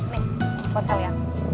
nek buat kalian